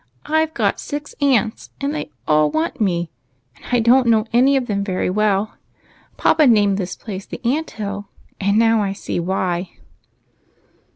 I 've got six aunts, and they all want me, and I don't know any of them very well. Papa named this place the Aunt hill, and now I see why."